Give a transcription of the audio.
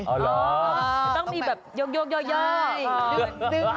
แต่ต้องมีแบบยกโยกเยอร์